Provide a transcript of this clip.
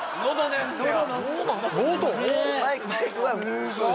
すごい！